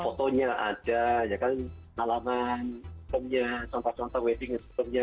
fotonya ada nalaman contoh contoh weddingnya sebagainya